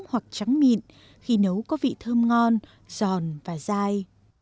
hoặc trắng mịn khi nấu có vị thơm ngon giòn và dai